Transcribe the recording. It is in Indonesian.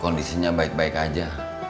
kondisinya baik baik aja